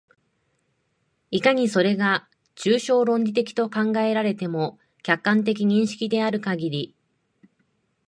いかにそれが抽象論理的と考えられても、客観的認識であるかぎり、